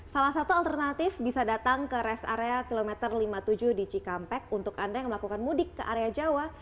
salah satu alternatif bisa datang ke rest area kilometer lima puluh tujuh di cikampek untuk anda yang melakukan mudik ke area jawa